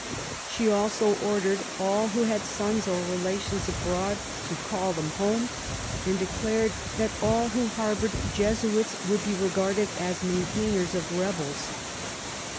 She also ordered all who had sons or relations abroad to call them home, and declared that all who harboured Jesuits would be regarded as maintainers of rebels.